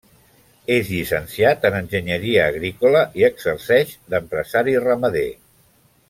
És llicenciat en Enginyeria agrícola i exerceix d'empresari ramader.